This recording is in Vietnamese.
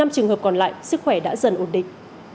năm trường hợp còn lại sức khỏe đã dần ổn định